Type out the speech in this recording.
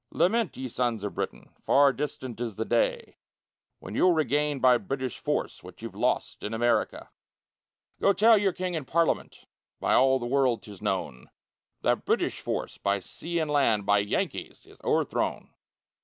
Lament, ye sons of Britain, Far distant is the day, When you'll regain by British force What you've lost in America; Go tell your king and parliament, By all the world 'tis known, That British force, by sea and land, By Yankees is o'erthrown.